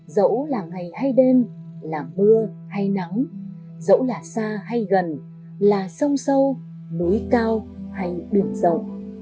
dẫu là ngày hay đêm là mưa hay nắng dẫu là xa hay gần là sông sâu núi cao hay đường rộng